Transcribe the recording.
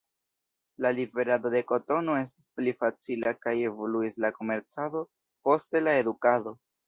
La liverado de kotono estis pli facila kaj evoluis la komercado, poste la edukado.